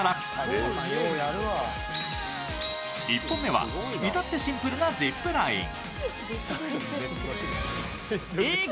１本目はいたってシンプルなジップライン。